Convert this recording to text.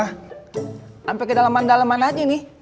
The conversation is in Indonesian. sampai ke daleman daleman aja nih